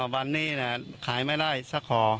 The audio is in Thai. วันนี้ขายไม่ได้สักห่อ